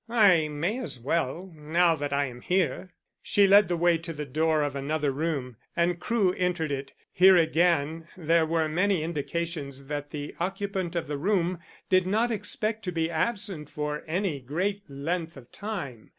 "I may as well, now that I am here." She led the way to the door of another room and Crewe entered it. Here, again, there were many indications that the occupant of the room did not expect to be absent for any great length of time.